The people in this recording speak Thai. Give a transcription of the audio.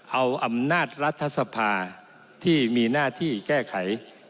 เอาอำนาจรัฐสภาที่มีหน้าที่แก้ไข